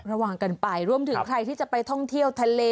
ระวังกันไปรวมถึงใครที่จะไปท่องเที่ยวทะเล